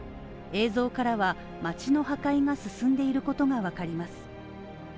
映像からは、町の破壊が進んでいることが分かります。